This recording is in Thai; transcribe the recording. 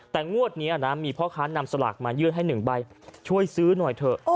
แต่งวดนี้นะมีพ่อค้านำสลากมายื่นให้๑ใบช่วยซื้อหน่อยเถอะ